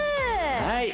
はい